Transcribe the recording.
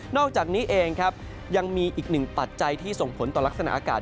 อกจากนี้เองครับยังมีอีกหนึ่งปัจจัยที่ส่งผลต่อลักษณะอากาศ